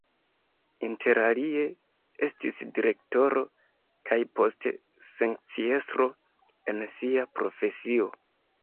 Interalie estis direktoro kaj poste sekciestro en sia profesio.